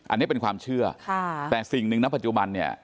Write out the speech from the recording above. อันนี้เป็นความเชื่อแต่สิ่งหนึ่งนะปัจจุบันเนี่ย